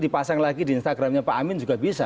dipasang lagi di instagramnya pak amin juga bisa